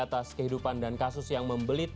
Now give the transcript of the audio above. atas kehidupan dan kasus yang membelit